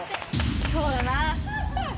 そうよな。